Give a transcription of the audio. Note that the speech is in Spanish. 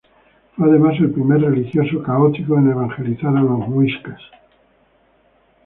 Fue además el primer religioso católico en evangelizar a los muiscas.